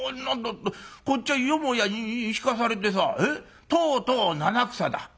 こっちはよもやに引かされてさとうとう七草だ。